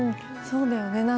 そうだよね。